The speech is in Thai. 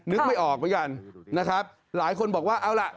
นึกไม่ออกเหมือนกันนะครับหลายคนบอกว่าเอาล่ะ